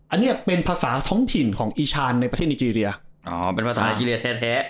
อันนี้เป็นภาษาท้องถิ่นของอีชานในประเทศนิเจรียอ๋อเป็นภาษาไนเจรียแท้